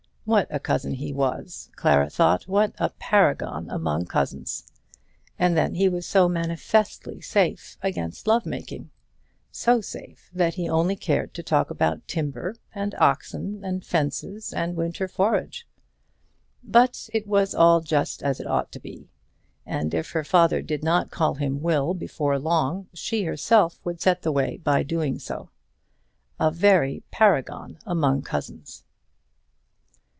What a cousin he was! Clara thought, what a paragon among cousins! And then he was so manifestly safe against love making! So safe, that he only cared to talk about timber, and oxen, and fences, and winter forage! But it was all just as it ought to be; and if her father did not call him Will before long, she herself would set the way by doing so first. A very paragon among cousins!